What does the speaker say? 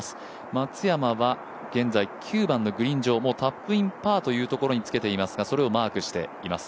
松山は現在９番のグリーン上、もうタップインパーというところにつけていますが、それをマークしています。